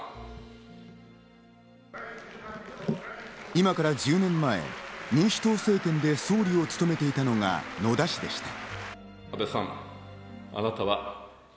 今から１０年前、民主党政権で総理を務めていたのが野田氏でした。